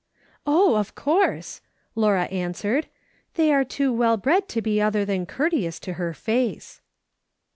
" Oh, of course/' Laura answered, " they are too well bred to be other thau courteous to her face."